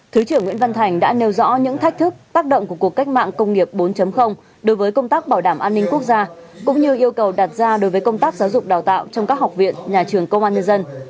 thứ trưởng nguyễn văn thành đã nêu rõ những thách thức tác động của cuộc cách mạng công nghiệp bốn đối với công tác bảo đảm an ninh quốc gia cũng như yêu cầu đặt ra đối với công tác giáo dục đào tạo trong các học viện nhà trường công an nhân dân